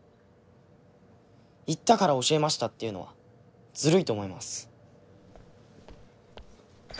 言ったから教えましたっていうのはずるいと思います。